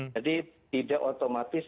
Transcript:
jadi tidak otomatis